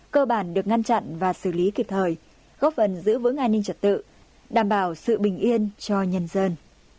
cơ bản được ngăn chặn và xử lý kịp thời góp phần giữ vững an ninh trật tự đảm bảo sự bình yên cho nhân dân